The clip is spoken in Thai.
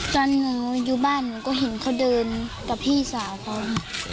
ตอนหนูอยู่บ้านหนูก็เห็นเขาเดินกับพี่สาวเขา